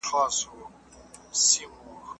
هر څوک وايي، چي زما د غړکي خوند ښه دئ.